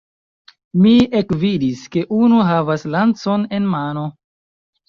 Mi ekvidis, ke unu havas lancon en mano.